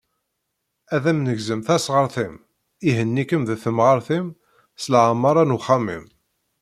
Ad am-negzem tasɣart-im, ihenni-kem deg temɣart-im, s leɛmara n uxxam-im.